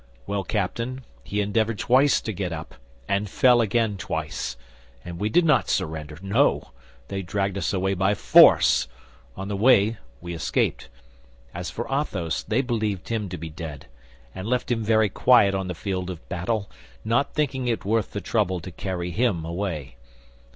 Well, Captain, he endeavored twice to get up, and fell again twice. And we did not surrender—no! They dragged us away by force. On the way we escaped. As for Athos, they believed him to be dead, and left him very quiet on the field of battle, not thinking it worth the trouble to carry him away.